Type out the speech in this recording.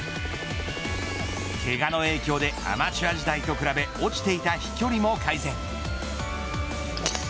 けがの影響でアマチュア時代と比べ落ちていた飛距離も改善。